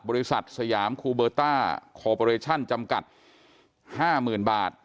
สยามคูเบอร์ต้าโคปอเรชั่นจำกัด๕๐๐๐บาท